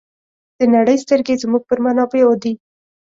د نړۍ سترګې زموږ پر منابعو دي.